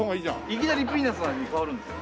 いきなりピーナツの味に変わるんですよ。